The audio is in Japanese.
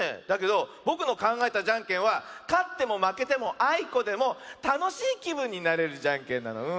だけどぼくのかんがえたじゃんけんはかってもまけてもあいこでもたのしいきぶんになれるじゃんけんなの。